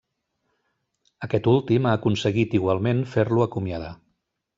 Aquest últim ha aconseguit igualment fer-lo acomiadar.